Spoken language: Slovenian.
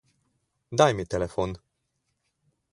Daj mi telefon.